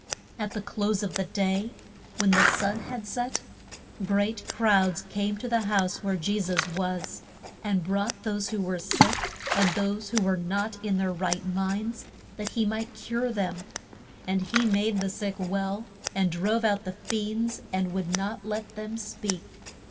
At the close of the day, when the sun had set, great crowds came to the house where Je sus was, and brought those who were sick, and those who were not in their right minds, that he might cure them. And he made the sick well, and drove out the fiends, and would not let them speak.